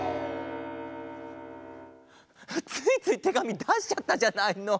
ついついてがみだしちゃったじゃないの。